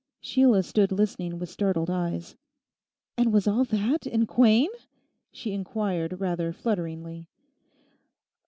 Sheila stood listening with startled eyes. 'And was all that in Quain?' she inquired rather flutteringly.